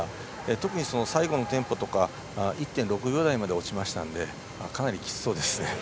特に、最後のテンポとか１．６秒台まで落ちましたのでかなりきつそうですね。